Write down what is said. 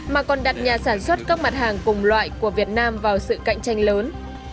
mà còn đặt nhà sản xuất các mặt hàng cùng loại của việt nam vào sự cạnh tranh lớn